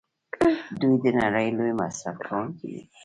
دوی د نړۍ لوی مصرف کوونکي دي.